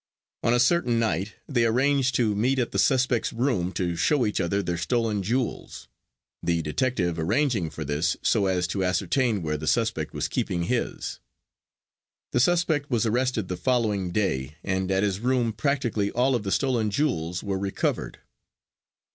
On a certain night they arranged to meet at the suspect's room to show each other their stolen jewels, the detective arranging for this so as to ascertain where the suspect was keeping his. The suspect was arrested the following day, and at his room practically all of the stolen jewels were recovered.